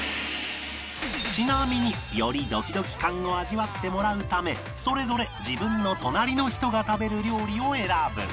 ちなみによりドキドキ感を味わってもらうためそれぞれ自分の隣の人が食べる料理を選ぶ